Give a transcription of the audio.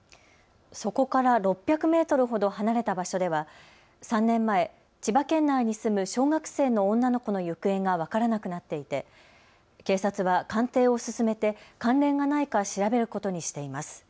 そこから６００メートルほど離れた場所では３年前、千葉県内に住む小学生の女の子の行方が分からなくなっていて警察は鑑定を進めて関連がないか調べることにしています。